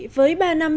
với ba năm